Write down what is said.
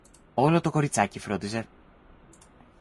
Όλο το κοριτσάκι φρόντιζε